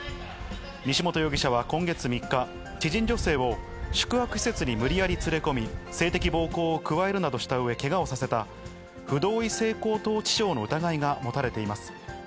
西本容疑者は今月３日、知人女性を宿泊施設に無理やり連れ込み性的暴行を加えるなどしたうえけがをさせた不同意性交等致傷の疑いが持たれています。